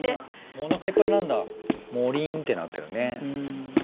お腹いっぱいなんだもりんってなってるね。